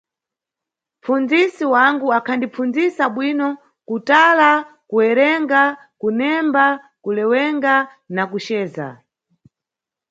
Mʼpfundzisi wangu akhandipfundzisa bwino kutala, kuwerenga, kunemba, kulewenga na kujedza.